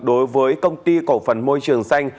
đối với công ty cổ phần môi trường xanh